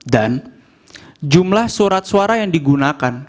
dan jumlah surat suara yang digunakan